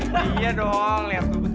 iya dong liat tuh bentukannya begitu